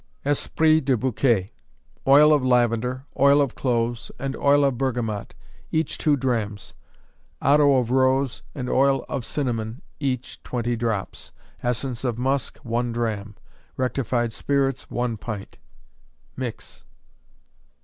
Esprit de Bouquet. Oil of lavender, oil of cloves and oil of bergamot, each two drachms; otto of rose, and oil of cinnamon, each, twenty drops; essence of musk, one drachm; rectified spirits, one pint. Mix.